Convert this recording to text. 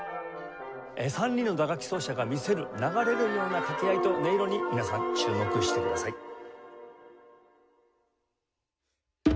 ３人の打楽器奏者が見せる流れるような掛け合いと音色に皆さん注目してください。